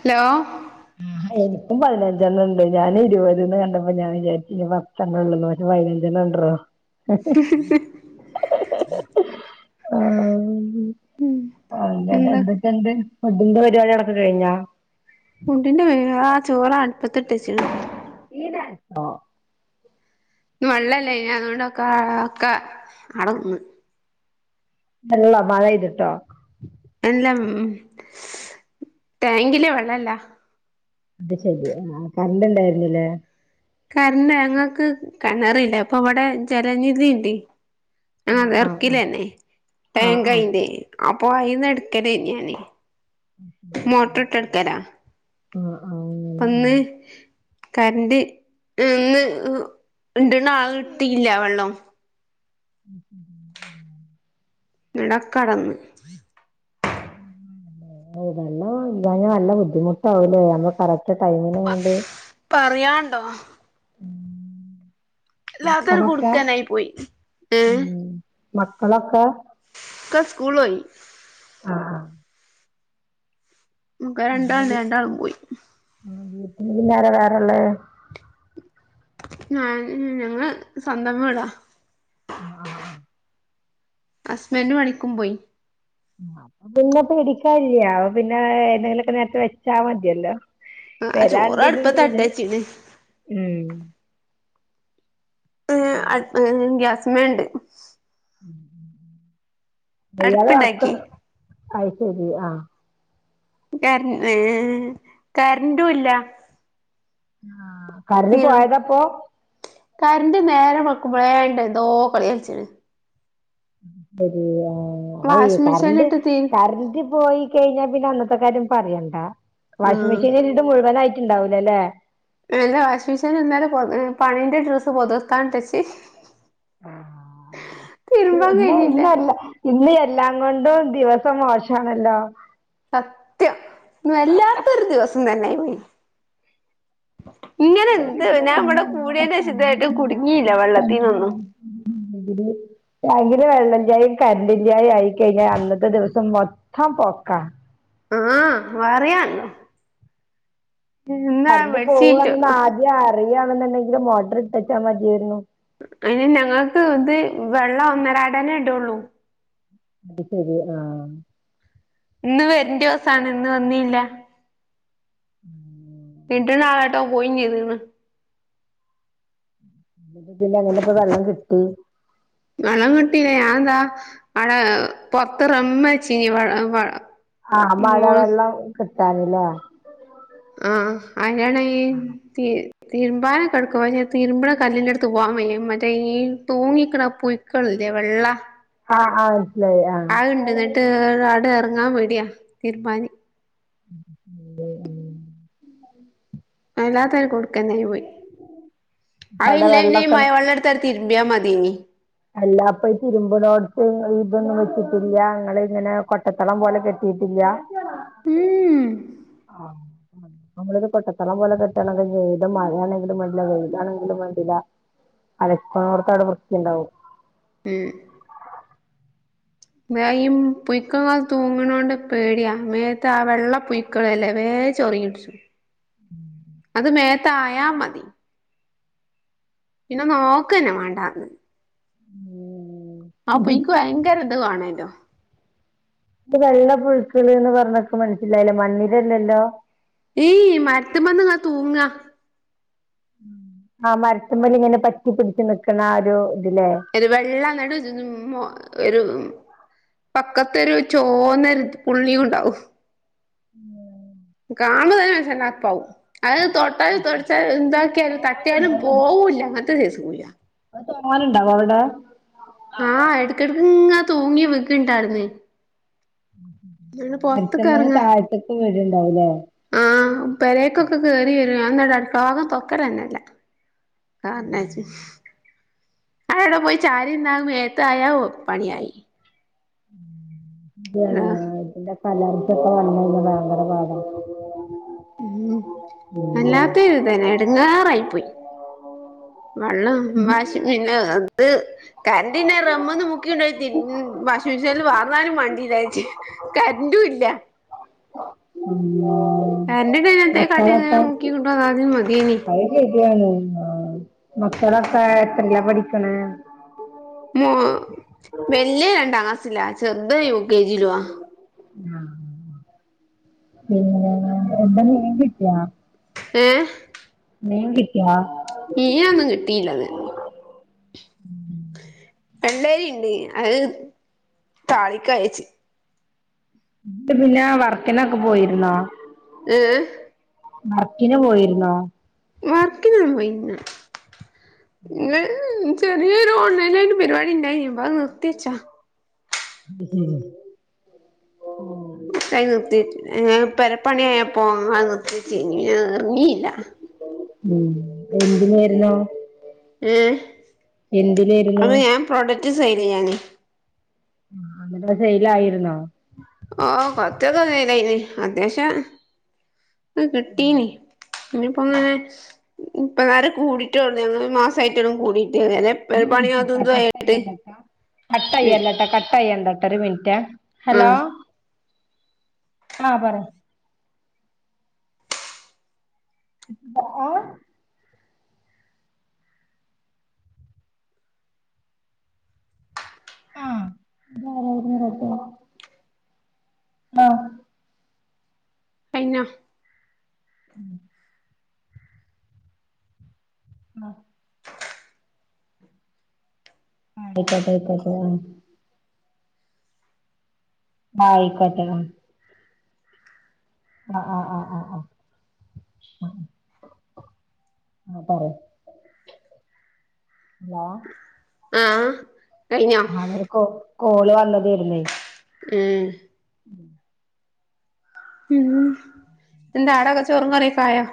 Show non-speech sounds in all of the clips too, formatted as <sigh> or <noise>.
Hello ആ എനിക്കും പതിനഞ്ചണ്ണണ്ട് ഞാൻ ഇരുപത് ന്ന് കണ്ടപ്പോ ഞാൻ വിചാരിച്ച <unintelligible> പക്ഷെ പതിനഞ്ചെണ്ണം <unintelligible> ആ ഉം അ എന്താ എന്തൊക്കെണ്ട് ഫുഡിന്റെ പരിപാടികളൊക്കെ കഴിഞ്ഞെ ഫുണ്ടിന്റെ പരിവാ ആ ചോറ് അടുപ്പത്തിട്ട് വെച്ച്ണ് ആഹ് ഇന്ന് വള്ളല്ലേനി അതോണ്ടൊക്കെ ഒക്കെ അടെന്നു വെള്ളോ മഴ പെയ്തിട്ടോ അല്ല ടാങ്കില് വെള്ളല്ല അത് ശരി ആ കറണ്ട് ഇണ്ടായിരുന്നില്ലേ കരണ്ട് ഞങ്ങൾക്ക് കിണറില്ല അപ്പൊ അവിടെ ജലനിധി ഉണ്ട് ആഹ് ആഹ് എറക്കില്ലന്നെ ആഹ് ആഹ് ടാങ്കയിന്റെ അപ്പൊ അയിന്ന് എടുക്കലേനി ഞാന് മോട്ടറ് ഇട്ട് ഇട്ക്കല ആ ഹ്ആഹ് പ്പന്ന് കറന്റ് ഇന്ന് ഇട്ണ ആള് ഇട്ടീല്ല വെള്ളം <inaudible> ന്നട് ഒക്കടന്ന് വെള്ളം ഇല്ലാഞ്ഞ നല്ല ബുദ്ധിമുട്ടാവൂലേ ഞമ്മ കറക് ക്റ്റ് ടൈമിലങ്ങട്ട് പറയാണ്ടോ വല്ലാത്തൊരു മക്കളൊക്കെ കുടുക്കനായി പോയി ഉ ഏഹ് മക്കളൊക്കെ ക്കെ സ്കൂൾ പോയി ആഹ് ആഹ് ന്ക്ക് രണ്ടാള്ണ്ട് രണ്ടാളും പോയി ആ വീട്ടില് പിന്നാരാ വേറെള്ളേ ഞാൻ ഞങ്ങള്സ്വന്തംവീടാ ആഹ് ആഹ് ആഹ് ഹസ്ബൻഡ് പണിക്കും പോയി അപ്പൊ പിന്നെ പേടിക്കാനില്ല പിന്നെ ഏന്തെങ്കിലുമൊക്കെ നേരത്തെ വെച്ചാ മതിയല്ലോ ആ ചോറ് അടുപ്പത്ത് വരാണ്ടന്നൊന്ന് തട്ടേച്ചിണ് ഉം ഏ അടുപ് ഗ്യാസ് മേഉണ്ട് ഉം ഉം ഉംഎല്ലാരും ഒർക്ക് അടുപ്പുണ്ടാക്കി അയി ശരി ആഹ് കരൻ ഏ കരററും ഇല്ല ആ കരണ്ട്പോയതപ്പോ കരണ്ട് നേരം വെളുക്കുമ്പഴേ വേണ്ട എന്തോ കളികളിച്ചണ് ശരി ആ അയ വാഷിംഗ് കറണ്ട് മെഷീനിലിട്ട് തീ കറണ്ട് പോയി കഴിഞ്ഞാൽ പിന്നെ അന്നത്തെ കാര്യം പറയണ്ട വാഷിംഗ് ആഹ് മെഷീനിൽ ഇത് മുഴുവനായിട്ടുണ്ടാവലേ അല്ലേ എല്ല വാഷിംഗ് മിഷീൻ ഇന്നലെ പൊ പണിന്റെ ഡ്രസ്സ് പുതുർത്താൻട്ടച്ചച്ച് ആഹ് ആ അള്ള ഇ തിരുമ്പാൻ കഴിഞ്ഞില്ല ഇന്നല്ല ഇന്ന് എല്ലാം കൊണ്ടും ദിവസം മോശമാണല്ലോ സത്യം ഇ വല്ലാത്തൊരു ദിവസം തന്നായി പോയി ഇങ്ങനെ എന്ത് ഞാൻ ഇവിടെ കൂടന്റെ വിശുദ്ധമായിട്ടും കുടുങ്ങിയില്ല വെള്ളത്തിന്നൊന്നും ഉം ഇവടെ ടാങ്കിലും വെള്ളം ചായും കരണ്ട് ഇല്ലാതായി കഴിഞ്ഞാൽ അന്നത്തെ ദിവസം മൊത്തം പൊക്കാം ആഹ് പറയാല്ലോ എന്താ ബെഡിച്ചീറ്റ് മ അറിയണെന്നുണ്ടെങ്കിലിൽ മൊഡർ ഇട്ടച്ചാ മതിയായിരുന്നു അതിന് ഞങ്ങൾക്ക് ഇത് വെള്ളം ഒന്നരടനെ ഇടുള്ളൂ അത് ശരി ആഹ് ഇന്ന് വരണ്ട ദിവസാണ് ഇന്ന് വന്നില്ല ഉം പിണ്ട നാളായിട്ടോ പോയി ഇന്ന് ട്ട അങ്ങനെ ഇപ്പ വെള്ളം കിട്ടി വെള്ളം കിട്ടില്ല ഞാൻ താ പൊത്ത്റമ്മ വ ചീനി വ വ ആഹ് മോൾ മഴവെള്ളം കിട്ടാനല്ലേ ആ അയ്നാണേതീ തിരുമ്പാന കിടക്കുവ തിരുമ്പണ കല്ലിന്റെ അടുത്ത് പോവാൻ വയ മറ്റേ തൂങ്ങിക്കണ പുയു ക്കളില്ലേ വെള്ള ആഹ് ആഹ് മനസ്സിലായി ആഹ് ആ ഉണ്ടുന്നിട്ട് ആട ഇറങ്ങാൻ പോയി ക്കതിരുമാന് <inaudible> വല്ലാത്ത കൊടുക്കന്നായി പോയി അവിടെ അതില്ല വെള്ളൊക്കെ ഇനിമയ വെള്ള <unintelligible> തിരുമ്പിയാൽ മതി ഇനി അല്ലാ ഇപ്പ ഈ തിരുമ്പിനോടത്ത് ഇതൊന്നും വെച്ചിട്ടില്ല ഞങ്ങള് ഇങ്ങനെ കൊട്ടത്തളം പോലെ കെട്ടിയിട്ടില്ല ഉം ആഹ <unintelligible> നമ്മള് ഇത്‌ കൊട്ടതളം പോലെ കെട്ടണത് ഈ മഴയാണെങ്കിലും വേണ്ടില്ല വെയില് ആണെങ്കിലും വേണ്ടിയില്ല അലക്കുന്നോർക്കേ അവിടെ വൃത്തിയുണ്ടാവും ഉം പുഴുക്കള് തൂങ്ങനൊണ്ട് പേടിയാ മേത്ത് ആ വെള്ള പുഴുക്കളില്ലേ വേഗം ചൊറിയും പിടിച്ചും ഉം <unintelligible> അത് മേത്ത് ആയ മതി പിന്നെ നോക്ക് തന്നെ വേണ്ടാ ആ ഉം പുഴുക്ക് ഭയങ്കര ഇത് കാണല്ലോ ഈ വെള്ളപ്പുഴുക്കള് എന്ന് പറഞ്ഞ എനിക്ക് മനസ്സിലായില്ല മണ്ണിരയല്ലല്ലോ ഏയ് മരത്തുമ്മേ നിന്ന് തൂങ്ങക ആ മരത്തും മെലിങ്ങനെ പറ്റിപ്പിടിച്ച്ക്കണ ആ ഒരു ഇതിലേ- ഒരു വെള്ളം ന <unintelligible> ഒരു പക്കത്തോരു ചോന്ന ഒരു പുള്ളിയും ഉണ്ടാവും കാണുമ്പം തന്നെ മനസ്സിന് അറപ്പാവും അത് തൊട്ടാലും തൊടച്ചാലും എന്താക്കിയാലും തട്ടിയാലും പോവില്ല അങ്ങനത്തെ കേസും കൂടിയാ അത് തോനെയുണ്ടാവോ അവിടെ ആഹ് എടക്ക് എടക്ക് ഇ തൂങ്ങി വിങ്ക്ണ്ടാ <unintelligible> യിുന്ന എഛ് പൊറത്ത്ക്ക് എം എറങ്ങാ താഴത്തെക്ക് വേരുണ്ടാവലേ ആഹ് പെരേക്കൊക്കെ കേറി വരുവാ ഞാൻ അന്നിട്ട് അടുക്കള വാതില് തൊറക്കല് തന്നെയില്ല കാന്നച്ച <unintelligible> ആ എവിടെ പോയി ചാരി നിന്നാൽ മേത്ത് ആയാൽ ഓഹ് പണിയായി ഇതാണ് ആഹ് ഇതിന്റെ കല <unintelligible> റിച്ചൊക്കെ വന്നെ ഭയങ്കര പാ <unintelligible> ഗം ഉം വല്ലാത്ത ഒരുതന്നെ എടുങ്ങാറായി പോയി വെള്ളം വാഷിങ് മെഷീൻ അത്- കറണ്ടന്റെ റമന്ന് മുക്കി <unintelligible> ണ്ടോ വാഷിംഗ് മെഷീനിൽ വാർന്നാലും വണ്ടില്ലാച്ചേ കറണ്ടും ഇല്ല അങ്ങ <unintelligible> പാരറിന്റെ അതിന <unintelligible> ത്തെ കാട്ടി മുക്കിക്കണ്ടോ അ <unintelligible> താദ്യന് മതിേന അത് ശരിയാണ് മക്കളോക്കെ എത്രയിലാ പഠിക്കണെ മോ വല്ലിയ രണ്ടാ ക്ലാസിലാ ചെറുത് യു കെ ജി ലൂവാ ആഹ പിന്നെ എന്ത എതിി <unintelligible> ക്കയാ ഏയെ മീൻ കിട്ടിയോ ീമ്മ <unintelligible> കിട്ടിയില്ലത് വെള്ളരി ഉണ്ട് അത് താ <unintelligible> ളിക്ക അയച്ചു ഇന്നിട്ട് പിന്നെ വർക്കിനൊക്കെ പോയിരുന്നോ ഏയ് വർക്കിന് പോയിരുന്നോ വർക്കിന് പോയില്ല ഇന്ന് ചെറിയൊരു ഓൺലൈനായിട്ട് പരിപാടി ഉണ്ടായി അത് നിർത്തി വെച്ചാ ഓഹ് ഓഹ് നിർത്തി വെച്ചു പെരപ്പണിയായ പോണു അങ്ങ് ഇനി എറങ്ങിയില്ല ഉം എന്തിനായിരുന്നു ഏയെ എന്തിലായിരുന്നു പ്രോഡക്റ്റ് സെയിലെയ്യാന് അന്നത്തെ സെയ്ലായിരുന്നോ? ഓഹ് <unintelligible> അത്യാവശ്യം കിട്ടീന്. ഞ്ഞിപ്പം പ്പന്നാരെ കൂടിട്ടോള്ള്. ഞങ്ങള് ഒര് മാസമായിട്ടോളു കൂടിട്ട് റ്യാ. അല്ലെ ഒരു മിനിറ്റ്ട്ടാ കട്ടയല്ലട്ടാ കട്ടയില്ലട്ടാ കട്ടയണ്ടട്ട ഒര് മിൻറ്റേ ആ ഹലോ ആഹ് പറ. അആഹ് ആഹ് താരാ <unintelligible> ആ കൈഞ്ഞൊ ആഹ് അയ്ക്കോട്ടെ അയ്ക്കോട്ടെ ആഹ് ആയ്ക്കോട്ടെ ആഹ് ആഹ് ആഹ് ആഹ് ആഹ് ആഹ് ആഹ് ആഹ് പറ്യാ. ഹലോ ആഹ് അതൊരു കോ കോള് വന്നതേര്ന്നേ ഉം ഉം ഉം. എന്താ ആടക്കെ ചോറും, കറിക്കായൊ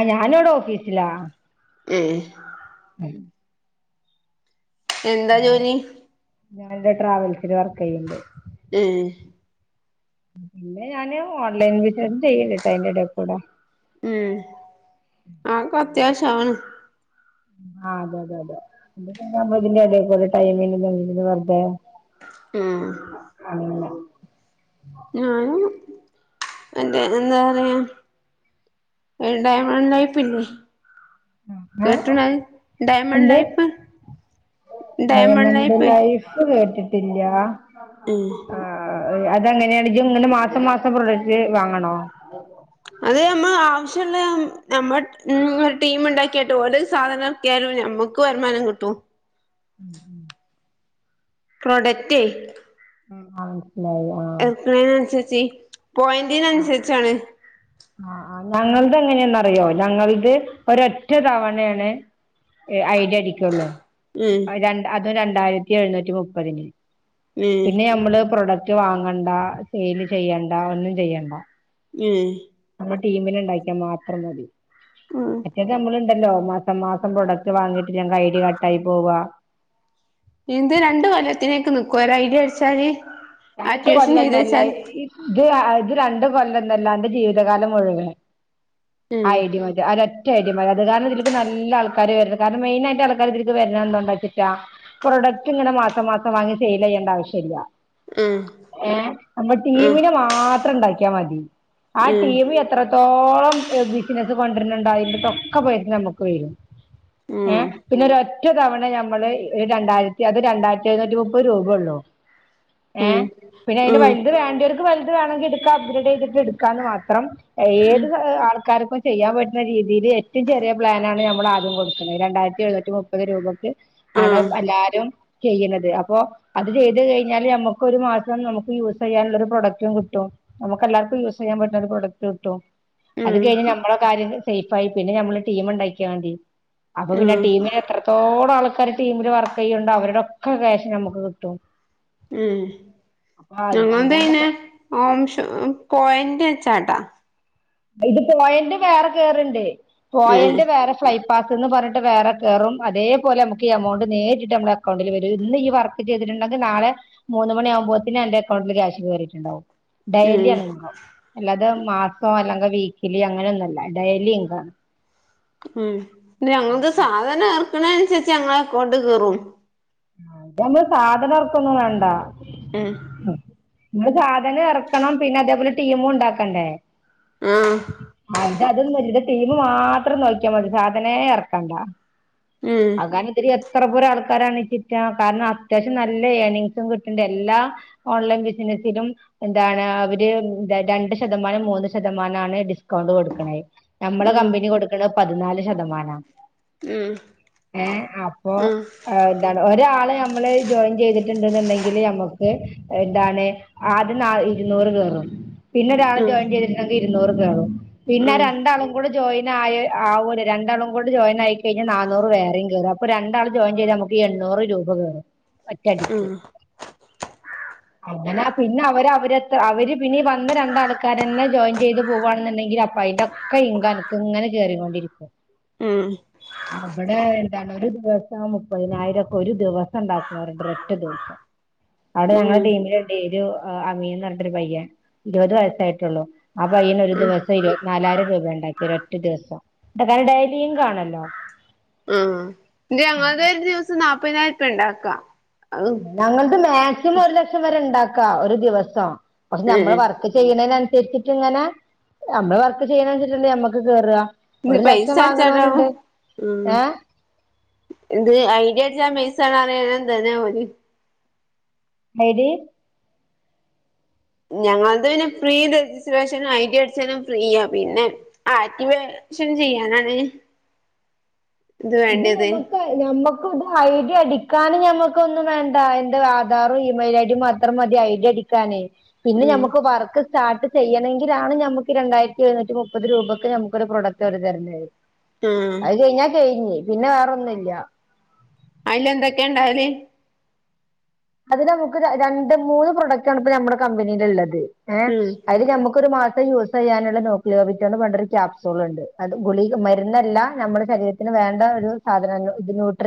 ആഹ് ഞാൻ വ്ടെ ഓഫീസ് ലാ ഏഹ് <unintelligible> എന്താ ജോലി? ഞാന് ന്റെ ട്രാവൽസ് ല് വർക്കെയ്യ്ണ്ട്. ഏഹ് പിന്നെ ഞാന് ഓൺലൈൻ ബിസിനസ് ചെയ്യ്ണ്ട് ട്ടൊ അയിന്റെ എടേ കൂടെ. ഉം. ആക്കൊ അത്യാവശ്യാണ്. ആഹ് അതെ അതെ അതെ. ഇത് പിന്നെ അമ്മള് ഇതിന്റെ എടേക്കൂടെ ടൈമിങ്ങ് ൻ്റെ <unintelligible> വെർ തേ ആഹ് അതെ <unintelligible> ഞാനും എന്റെ എന്താ റിയാ ഒര് ഡയമണ്ട് ലൈഫ് ല്ലേ ഏഹ് കേട്ട്ണൊ അഹ്. ഡയമൺ എന്ത് ലൈഫ്. ഡയമൺ ലൈഫെ പ്പൊ കേട്ട് ട്ടില്ല്യാ. ഉം ആഹ് ആഹ് അത് എങ്ങനെയാണ് ഇജ് ങ്ങനെ മാസം മാസം പ്രൊഡക്റ്റ് വാങ്ങണോ? <inaudible> അത് അമ്മൾ ആവശ്യള്ള നമ്മട് മ് ഒര് ടീമ് ണ്ടാക്കിട്ട് ഓല് സാധനം ക്യാരും നമുക്ക് വര്മാനം കിട്ടും. ഉം ഉം പ്രൊഡക്റ്റേ ആഹ് മൻസ്സിലായി <unintelligible> ട്ട് ണേനൻസര് ച്ചി. പോയൻ്റ്ന ൻസരിച്ചാണ്. ആഹ് ആഹ് ഞങ്ങൾത് എങ്ങനെയന്നറിയോ? ഞങ്ങൾത് ഒരൊറ്റ തവണയാണ് ഐഡി അടിക്കൊള്ളൂ. ഉം അഹ് രണ്ടാ അതും രണ്ടായിരത്തി എഴുന്നൂറ്റി മുപ്പതിന് ഉം ന്നെ അമ്മള് പ്രൊഡക്ട് വാങ്ങണ്ടാ, സെയില് ചെയ്യണ്ടാ ഒന്നും ചെയ്യണ്ട. ഏഹ് ഞമ്മൾ ടീമിനെ ണ്ടാക്കിയാ മാത്രം മതി. ആഹ് ആഹ് മറ്റേത് നമ്മളുണ്ടല്ലോ മാസം മാസം പ്രൊഡക്റ്റ് വാങ്ങിയിട്ട് ഇല്ലെങ്കിൽ ഐ ഡി കട്ട് ആയി പോവുക എന്ത് രണ്ടു കൊല്ലത്തിനേക്ക് നിക്കോ ഒരു ഐഡിയ അടിച്ചാല് രണ്ട് ആക്ടിവേഷൻ കൊല്ലം ചെയ്ത് എന്നല്ല വച്ചാൽ ഇത് ഇത് രണ്ട് കൊല്ലന്നല്ലാ അന്റെ ജീവിതകാലം മുഴുവൻ ഉം ഐഡി മതി ഒരൊറ്റ ഒറ്റ ഐഡി മതി അത് കാരണം ഇതിലക്ക് നല്ല ആൾക്കാര് വരണ് ഉണ്ട് കാരണം മെയിനായിട്ട് ആൾക്കാർ ഇതിലക്ക് വരണം എന്താണ്ട വച്ചിട്ടാ പ്രൊഡക്ട് ഇങ്ങനെ മാസം മാസം വാങ്ങി സെയിൽ ചെയ്യേണ്ട ആവശ്യം ഇല്ല ഉം ഏ നമ്മ ഉം ടീമിനെ മാത്രം ഉണ്ടാക്കിയാൽ മതി ആഹ് ടീമ്മ് ഞങ്ങൾത് എത്രത്തോളം ബിസിനസ്സ് കൊണ്ടരുണുണ്ടോ അതിന്റെതൊക്കെ പൈസ നമുക്ക് വരും ഏഹ് പിന്നെ ഒരു ഒറ്റ തവണ ഞമ്മള് രണ്ടായിരത്തി അത് രണ്ടായിരത്തി എഴുന്നൂറ്റി മുപ്പത് രൂപ ഉള്ളൂ ഏഹ് പിന്നെ അതിന്റെ വലുത് വേണ്ടവർക്ക് വലുത് വേണെങ്കിൽ എടുക്കാ അപ്ഗ്രേഡ് ചെയ്തിട്ട് എടുക്കാന്ന് മാത്രം ഏത് ആൾക്കാർക്കും ചെയ്യാൻ പറ്റുന്ന രീതിയിൽ ഏറ്റവും ചെറിയ പ്ലാനാണ് നമ്മൾ ആദ്യം കൊടുക്കുന്നത് രണ്ടായിരത്തി എഴുന്നൂറ്റി മുപ്പത് രൂപക്ക് ആണ് എല്ലാരും ചെയ്യുന്നത് അപ്പൊ അത് ചെയ്ത് കഴിഞ്ഞാല് മ്മക്ക് നമക് ഒരു മാസം നമുക്ക് യൂസ് ചെയ്യാനുള്ള ഒരു പ്രൊഡക്റ്റും കിട്ടും നമുക്ക് എല്ലാർക്കും യൂസ് ചെയ്യാൻ പറ്റുന്ന ഒരു പ്രോഡക്റ്റ് കിട്ടും അത് കഴിഞ്ഞ് നമ്മളെ കാര്യം സേഫാ പിന്നെ നമ്മള് ടീം ഉണ്ടാക്കക്കാൻ വേണ്ടി അപ്പൊ പിന്നെ ടീമില് എത്രത്തോളം ആൾക്കാാര് ടീമില് വർക്ക് ചെയ്യണ്ട് അവരുടെൊക്കെ ക്യാശ് നമുക്ക് കിട്ടും ഉം അപ്പൊ ഞങ്ങ അത് കാരണം എന്ത്ന്നെ ഓം പോയിന്റി വെച്ചാട്ടാ ഇത് പോയന്റ് വേറെ കേയറണ്ട് ഉം പോയന്റ് വേറെ ഫ്ലൈറ്റ് പസ് എന്ന് പറഞ്ഞിട്ട് വേറെ കയറും അതപോലെ നമുക്ക് ഈ എമൗണ്ട് നേരിട്ട് നമ്മുടെ അക്കൗണ്ടിൽ വരും ഇന്ന് ഈ വർ ചെയ്തിട്ടുണ്ടെങ്കിൽ നാെ മൂന്ന് മണിയ ആവുമ്പോത്തേന് എന്റെ അക്കൗണ്ടിൽ ക്യാഷ് കയറിയിട്ടുണ്ടാവും ഡെലി ഉം ആണണ്ടോ അല്ലാതെ മാസോ അല്ലെങ്ക വീക്കലി അങ്ങനെയൊന്നുംമല്ല ഡെലി ഉന്ത ഉം ഞങ്ങക്ക് സാധനം ർക്കണ അനുസരിച്ച് ഞങ്ങളെ അക്കോണ്ട് ക കേറും മ്മൾ സാധനംർക്കൊന്നും വേണ്ട ഉം നമ്മൾ സാധനം ഇറക്കണം പിന്നെ അതേപോലെ ടീമ ഉണ്ടാക്കണ്ടേ ആഹ് അതൊന്നും ഇ തീമ് മാത്രം നോയ്ക്കാൻ മതി സാധനേ ഇറക്കണ്ട ഉം ഒത്തിരി എത്ര പോര ആൾക്കാരാണ് ഈ ചിറ്റ കാരണം അത്യാവശ്യം നല്ല ഏർണിങ്സും കിട്ടണ്ട് എല്ലാ ഓൺലൈൻ ബിസിനസിലും എന്താണ് അവര് രണ്ട് ശതമാനം മൂന്ന് ശതമാനമാണ് ഡിസ്കൗണ്ട് കൊടുക്കണത് നമ്മളെ ഉം കമ്പനി കൊടുക്കണത് പതിനാല് ശതമാനമാണ് ഉം ഏ അപ്പൊ ഉം ആഹ് ഒരാള് നമ്മള് ജോയിൻ ചെയ്തിട്ടുണ്ട്ന്നുണ്ടെങ്കില് നമ്മുക്ക് എന്താണ് ആദ്യ ന ഇരുന്നൂറ് പേറും പിന്നെ ഒരാള് ഉം ജോയിൻ ചെയ്തിട്ടുണ്ടെങ്കിൽ ഇരുന്നൂറ് കേണും പിന്നെ ഉം രണ്ടാളും ടെ ജയി ആയി ആവും രണ്ടാും കൂടെ ജോയിൻ ആയിക്കഴിഞ്ഞാൽ നൂറും കയറ അപ്പോ രണ്ടാൾ ജോയിൻ ചെയ്താ നമുക്ക് ഒരു എണ്ണൂറ് രൂപ വേണം മറ്റടിക്ക് അങ്ങനെ പിന്നെ അവര് അവരെത്ര അവര് പിന്നീ വന്ന രണ്ടാൾക്ക് ആൾക്കാരന്നെ ജോയിൻ ചെയ്ത് പോവവാണെന്നുണ്ടെങ്കിൽ അപ്പോയിന്റക്കെ ഇങ്കോ എനി ഇങ്ങനെ കേറിക്കൊണ്ടിരിക്കും ഉം അവിടെ എന്താണ് ഒരു ദിവസം മുപ്പതിനായിരംക്കെ ഒരു ദിവസം ഉണ്ടാക്ക എട്ട് ദിവസം അവിടെ ഉം ഞങ്ങളുടെ ഉം ടീമില ഒരു അമീന്ന് പറഞ്ഞട്ടൊരു പയ്യൻ ഇരുപത് വയസായിട്ടുള്ളു ആഹ് പയ്യന ഒരു ദിവസം ഇരുപ നാലായിരം രൂപ ഉണ്ടാക്കി ഒരറ്റ ദിവസം ഇ കാരൻ ഡെലിയും കാണല്ലോ ആഹ് എന്റെ ഞങ്ങുടെ ഒരു ദിവസം നാല്പ്പതിനായിരം രൂപ ഉണ്ടാക്കാ ഞങ്ങൾക്ക് മാക്സിമം ഒരു ലക്ഷം വരെ ഉണ്ടാക്കാ ഒരു ദിവസം പക്ഷെ ഞമ്മൾ ഉം വർക്ക് ചെയ്യണതിനനുസരിച്ചിട്ട ഇങ്ങനെ നമ്മള് വർക്ക് ചെയ്യണനുട്ട ഞമ്മക്ക് കേറുക ഇന്ന് പൈസ അടച്ചടാവ ഉം ഏഹ് ഇത് ഐഡിയ അടിച്ച മിസ് ആണ് അറിയന എന്ത തന്നെ മരീ ഞങ്ങൾത് പിന്നെ ഫ്രീ രജിസ്ട്രേഷനും ഐഡി അടിച്ചാലും ഫ്രീയാ പിന്നെ ആറ്റി വേഷം ചെയ്യാനാണ്. ഇത് ഞമ്മക്കാ ഞമ്മക്ക്‌ ഇത് ഐഡി അടിക്കാന് ഞമ്മക്കൊന്നും വേണ്ടാ എന്താ അയ്‌ന്റെ ആധാറും ഇമെയില ഐഡിയും മതി. അത്ര മതി ഐഡിയ അടിക്കാനേയ് പിന്നെ ഉം നമ്മക്ക് വർക്ക് സ്റ്റാർട്ട് ചെയ്യണെങ്കിലാണ് ഞമ്മക്ക് രണ്ടായിരത്തി എഴുന്നൂറ്റി മുപ്പത് രൂപയ്ക്ക് നമ്മക്കൊരു പ്രൊഡക്റ്റ് ഓര് തരുന്നത്. ആഹ് അയ് കഴിഞ്ഞാ കഴിഞ് പിന്നെ വേറന്നുല്ല. അയ്ല് എന്തൊക്കെ ണ്ടാവല്? അത് നമുക്ക് രണ്ട് മൂന്ന് പ്രൊഡക്റ്റ് ആണ് ഇപ്പ നമ്മടെ കമ്പനീല് ള്ളത്. ഏഹ് ഉം അയ്ല് ഞമ്മക്കൊരു മാസം യു ചെയ്യാനുള്ള നോക്കലോപറ്റൊണ്ട് പണ്ടൊരു ക്യാപ്സോൾ ഉണ്ട്, അത് ഗുളി മരുന്നെല്ലാ നമ്മളെ ശരീരത്തിന് വേണ്ട ഒരു സാധനാണ് ഇത് നൂട്രിറി